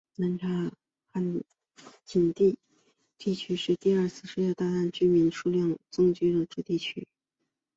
南叉的汉普顿地区也是第二次世界大战后居民数量剧增的地区。